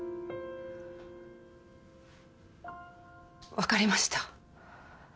分かりました。